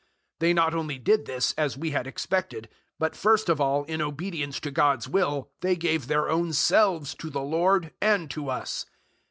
008:005 They not only did this, as we had expected, but first of all in obedience to God's will they gave their own selves to the Lord and to us.